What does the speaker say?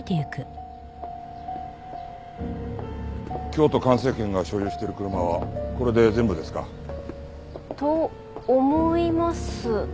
京都環生研が所有してる車はこれで全部ですか？と思います。